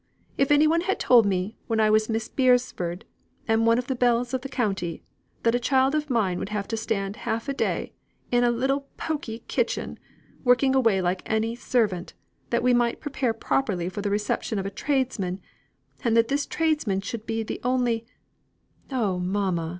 if any one had told me, when I was Miss Beresford, and one of the belles of the country, that a child of mine would have to stand half a day, in a little poky kitchen, working away like any servant, that we might prepare properly for the reception of a tradesman, and that this tradesman should be the only" "Oh, mamma!"